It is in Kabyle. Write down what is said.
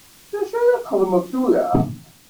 D acu ara xedmeɣ tura?